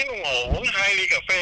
cuối cùng thì có khách đến